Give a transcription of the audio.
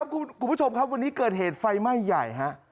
คุณผู้ชมครับวันนี้เกิดเหตุไฟไหม้ใหญ่ฮะ